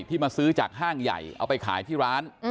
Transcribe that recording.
มาซื้อจากห้างใหญ่เอาไปขายที่ร้าน